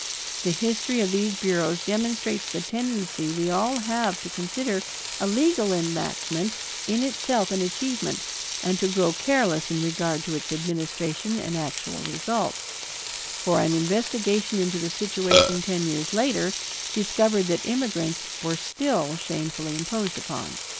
The history of these bureaus demonstrates the tendency we all have to consider a legal enactment in itself an achievement and to grow careless in regard to its administration and actual results; for an investigation into the situation ten years later discovered that immigrants were still shamefully imposed upon.